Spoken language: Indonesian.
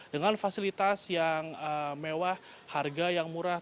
dengan fasilitas yang mewah harga yang murah